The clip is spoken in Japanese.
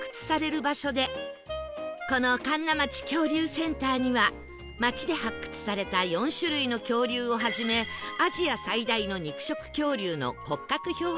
この神流町恐竜センターには町で発掘された４種類の恐竜をはじめアジア最大の肉食恐竜の骨格標本など